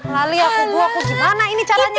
lalu aku bu aku gimana ini caranya